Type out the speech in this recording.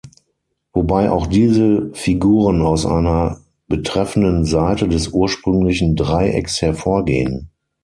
Wobei auch diese Figuren aus einer betreffenden Seite des ursprünglichen Dreiecks hervorgehen.